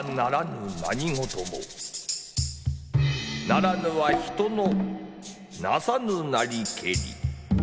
成らぬは人の為さぬなりけり」。